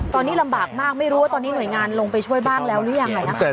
ตอนนี้ลำบากมากไม่รู้ว่าตอนนี้หน่วยงานลงไปช่วยบ้างแล้วหรือยังไงนะคะ